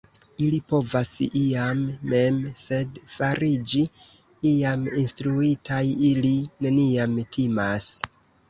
ili povas iam mem, sed fariĝi iam instruitaj ili neniam timas!